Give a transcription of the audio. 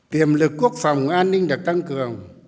tiềm lực quốc phòng an ninh được tăng cường